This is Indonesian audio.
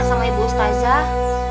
sama ibu stajah